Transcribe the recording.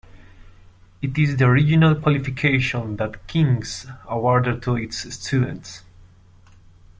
It is the original qualification that King's awarded to its students.